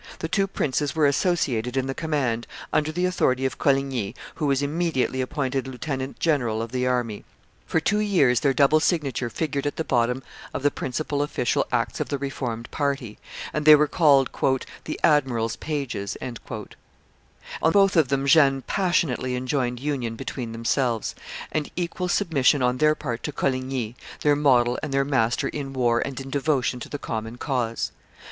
The two princes were associated in the command, under the authority of Coligny, who was immediately appointed lieutenant general of the army. For two years their double signature figured at the bottom of the principal official acts of the Reformed party; and they were called "the admiral's pages." On both of them Jeanne passionately enjoined union between themselves, and equal submission on their part to Coligny, their model and their master in war and in devotion to the common cause.